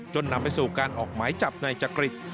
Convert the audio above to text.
จนนำไปสู่การออกไม้จับในจกฤทธิ์